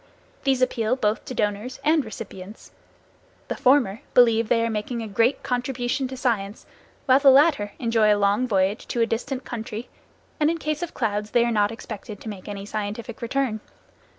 These appeal both to donors and recipients. The former believe that they are making a great contribution to science, while the latter enjoy a long voyage to a distant country, and in case of clouds they are not expected to make any scientific return.